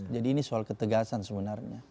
jadi ini soal ketegasan sebenarnya